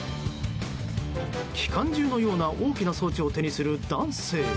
機関銃のような大きな装置を手にする男性。